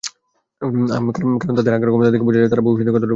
কারণ তাদের আঁকার ক্ষমতা দেখে বোঝা যায়, তারা ভবিষ্যতে কতটা বুদ্ধিমান হবে।